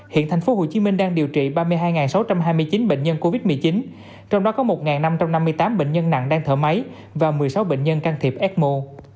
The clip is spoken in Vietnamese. hiện thành phố hồ chí minh đang điều trị ba mươi hai sáu trăm hai mươi chín bệnh nhân covid một mươi chín trong đó có một năm trăm năm mươi tám bệnh nhân nặng đang thở máy và một mươi sáu bệnh nhân can thiệp ecmo